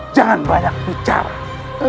jangan banyak bicara